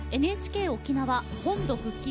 ＮＨＫ沖縄本土復帰